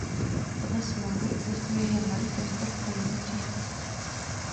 Podle Smlouvy existuje jen malý prostor pro jiný přístup.